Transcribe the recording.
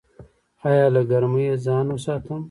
ایا له ګرمۍ ځان وساتم؟